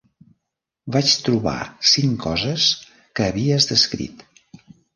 Vaig trobar cinc coses que havies descrit.